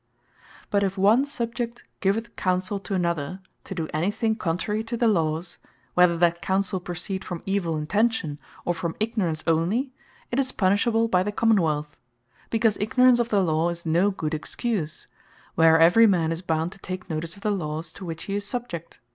But if one Subject giveth Counsell to another, to do any thing contrary to the Lawes, whether that Counsell proceed from evill intention, or from ignorance onely, it is punishable by the Common wealth; because ignorance of the Law, is no good excuse, where every man is bound to take notice of the Lawes to which he is subject.